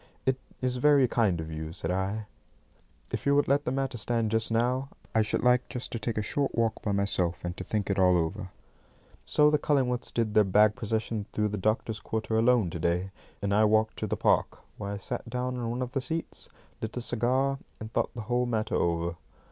"It is very kind of you," said I. "If you would let the matter stand just now, I should like just to take a short walk by myself, and to think it all over." So the Cullingworths did their bag procession through the doctors' quarter alone to day, and I walked to the park, where I sat down on one of the seats, lit a cigar, and thought the whole matter over.